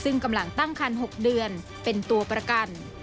ซึ่งกำลังตั้งคัน๖เดือนเป็นตัวประกัน